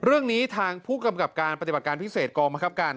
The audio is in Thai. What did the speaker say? เรื่องนี้ทางผู้กำกับการปฏิบัติการพิเศษกองบังคับการ